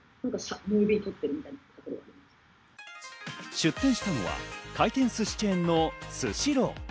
出展したのは回転ずしチェーンのスシロー。